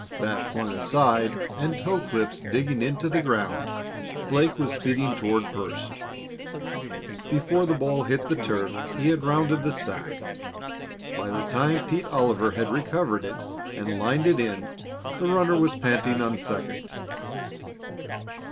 Bat flung aside and toe clips digging into the ground, Blake was speeding toward first. Before the ball hit the turf he had rounded the sack. By the time Pete Oliver had recovered it and lined it in, the runner was panting on second.